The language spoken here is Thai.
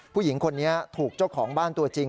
ผู้หญิงคนนี้ถูกเจ้าของบ้านตัวจริง